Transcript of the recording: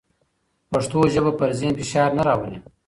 پښتو ژبه پر ذهن فشار نه راولي.